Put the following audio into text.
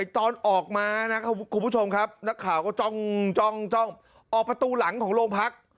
ตอนออกมานะครับคุณผู้ชมครับนักข่าวก็จ้องออกประตูหลังของโรงพัก